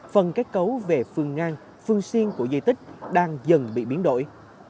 phần kết cấu về phương ngang phương siêng của di tích đang dần bị biến đổi